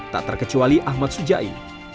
tak terkecuali ahmad sujaie